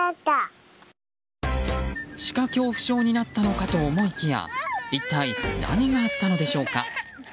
シカ恐怖症になったのかと思いきや一体何があったんでしょうか。